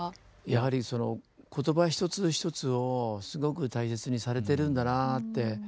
やはりその言葉一つ一つをすごく大切にされてるんだなあって。